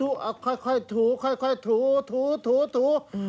ค่อยถูถูถูถู